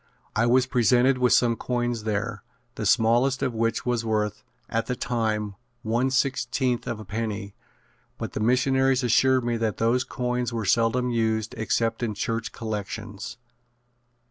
I was presented with some coins there, the smallest of which was worth, at that time, one sixteenth of a penny, but the missionaries assured me that those coins were seldom used except in church collections.